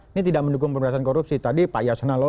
ini tidak mendukung pemberian korupsi tadi pak yasona loli